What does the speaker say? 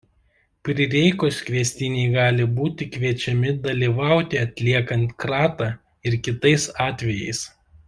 Prireikus kviestiniai gali būti kviečiami dalyvauti atliekant kratą ir kitais atvejais.